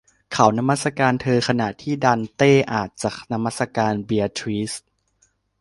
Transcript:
เขานมัสการเธอขณะที่ดันเต้อาจจะนมัสการเบียทริซ